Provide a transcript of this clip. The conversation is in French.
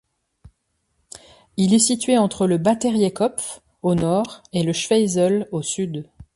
Il est situé entre le Batteriekopf au nord et le Schweisel au sud.